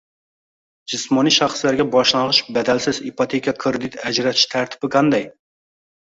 Jismoniy shaxslarga boshlang‘ich badalsiz ipoteka kredit ajratish tartibi qanday?